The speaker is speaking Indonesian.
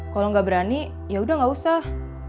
kalau nggak berani yaudah gak usah